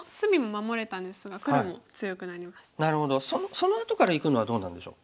そのあとからいくのはどうなんでしょう？